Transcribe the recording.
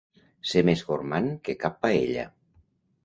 Ser més gormand que cap paella.